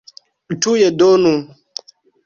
Tuj donu!